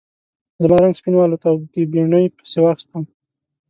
زما رنګ سپین والوت او ګبڼۍ پسې واخیستم.